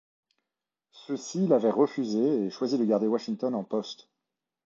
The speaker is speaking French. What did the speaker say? Ceux-ci l'avaient refusée et choisi de garder Washington en poste.